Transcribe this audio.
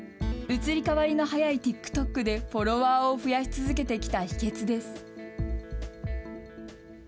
移り変わりの早いＴｉｋＴｏｋでフォロワーを増やし続けてきた秘けつです。